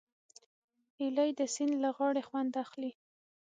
هیلۍ د سیند له غاړې خوند اخلي